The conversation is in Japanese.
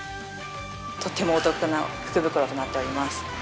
とってもお得な福袋となっております。